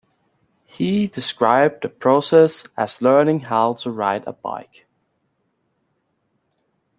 He described the process as learning how to ride a bike.